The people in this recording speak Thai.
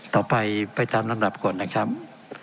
ต่อไปไปตามลำดับก่อนนะครับ